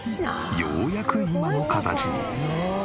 ようやく今の形に。